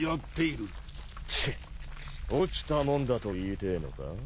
チッ落ちたもんだと言いてえのか？